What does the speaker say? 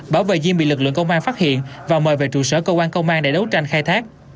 bảo và duyên bị lực lượng công an phát hiện và mời về trụ sở cơ quan công an để đấu tranh khai thác